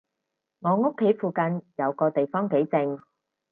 我屋企附近有個地方幾靜